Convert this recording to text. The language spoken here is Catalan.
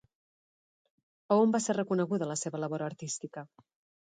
A on va ser reconeguda la seva labor artística?